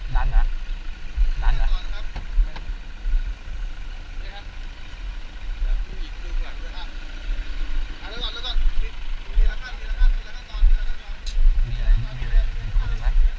ดันหรอ